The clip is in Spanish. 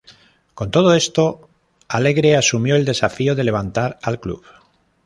Con todo esto, Alegre asumió el desafío de levantar al club.